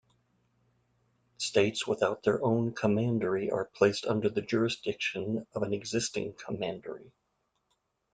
States without their own Commandery are placed under the jurisdiction of an existing Commandery.